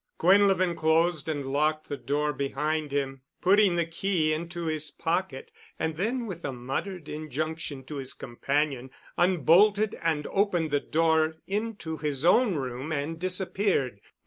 Quinlevin closed and locked the door behind him, putting the key into his pocket, and then with a muttered injunction to his companion, unbolted and opened the door into his own room and disappeared.